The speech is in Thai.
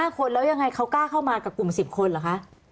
๕คนแล้วยังไงเขากล้าเข้ามากับกลุ่ม๑๐คนเหรอคะ